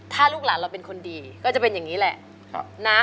ถ้าลูกหลานเราเป็นคนดีก็จะเป็นอย่างนี้แหละ